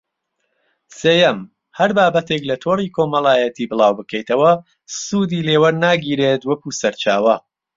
سێیەم: هەر بابەتێک لە تۆڕی کۆمەڵایەتی بڵاوبکەیتەوە، سوودی لێ وەرناگیرێت وەکو سەرچاوە